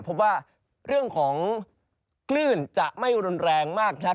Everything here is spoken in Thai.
พบว่าเรื่องของคลื่นจะไม่รุนแรงมากนะครับ